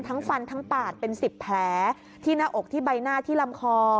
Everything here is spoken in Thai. ฟันทั้งปาดเป็น๑๐แผลที่หน้าอกที่ใบหน้าที่ลำคอ